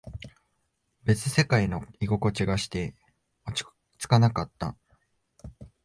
別世界の居心地がして、落ち着かなかった。